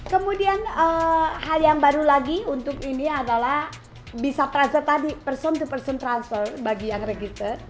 kemudian hal yang baru lagi untuk ini adalah bisa transfer tadi person to person transfer bagi yang regited